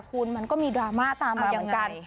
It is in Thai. แต่มันก็มีดราม่าตามมาเหมือนกัน